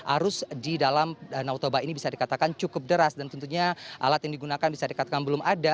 arus di dalam danau toba ini bisa dikatakan cukup deras dan tentunya alat yang digunakan bisa dikatakan belum ada